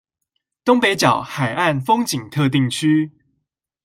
東北角海岸風景特定區